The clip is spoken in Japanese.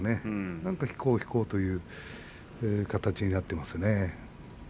何か、引こう引こうという形になっていますね。